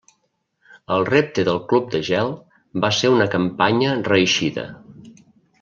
El Repte del Cub de Gel va ser una campanya reeixida.